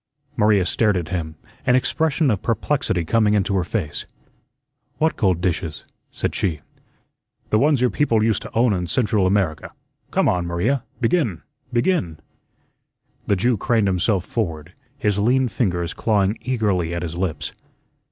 Maria stared at him, an expression of perplexity coming into her face. "What gold dishes?" said she. "The ones your people used to own in Central America. Come on, Maria, begin, begin." The Jew craned himself forward, his lean fingers clawing eagerly at his lips.